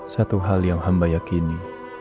satu hal yang hamba yakini